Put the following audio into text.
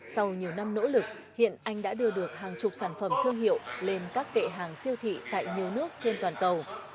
sau nhiều năm nỗ lực hiện anh đã đưa được hàng chục sản phẩm thương hiệu lên các kệ hàng siêu thị tại nhiều nước trên toàn cầu